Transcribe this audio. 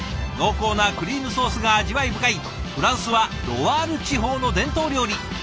濃厚なクリームソースが味わい深いフランスはロワール地方の伝統料理。